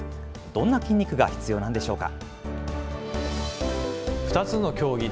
どんな筋肉が必要なんでしょうか。